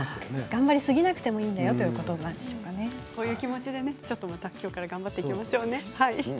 頑張りすぎなくてもいいそういう気持ちでまたきょうから頑張っていきましょうね。